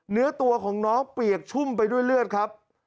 เนื้อตัวของน้องเปียกชุ่มไปด้วยเลือดครับ